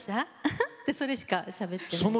「うふっ」ってそれしかしゃべってない。